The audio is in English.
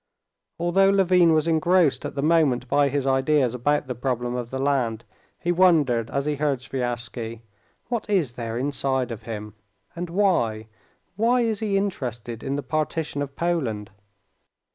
Although Levin was engrossed at the moment by his ideas about the problem of the land, he wondered, as he heard Sviazhsky: "What is there inside of him? And why, why is he interested in the partition of Poland?"